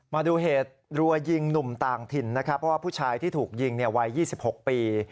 มาดูเหตุรัวยิงหนุ่มต่างถิ่นนะครับเพราะว่าผู้ชายที่ถูกยิงวัย๒๖ปี